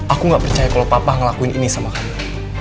aku gak percaya kalau papa ngelakuin ini sama kamu